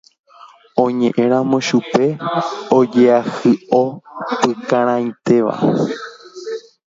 Oñeʼẽramo chupe ojeahyʼopykarãinteva.